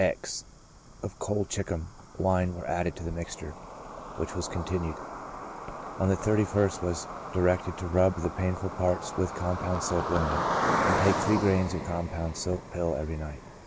x of colchicum wine were added to the mixture, which was con tinued ; on the 31st, was directed to rub the painful parts with compound soap liniment, and take three grains of com pound soap pill every night.